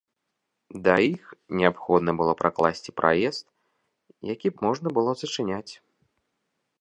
Да іх неабходна было пракласці праезд, які б можна было зачыняць.